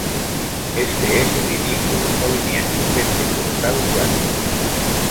Este es el inicio del movimiento pentecostal clásico.